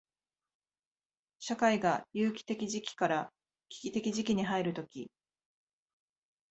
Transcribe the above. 社会が有機的時期から危機的時期に入るとき、